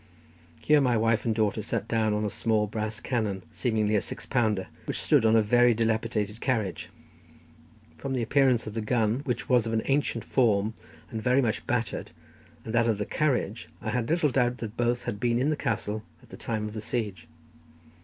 Here my wife and daughter sat down on a small brass cannon, seemingly a six pounder, which stood on a very dilapidated carriage; from the appearance of the gun, which was of an ancient form and very much battered, and that of the carriage, I had little doubt that both had been in the castle at the time of the siege.